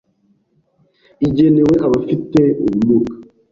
igenewe abafite ubumuga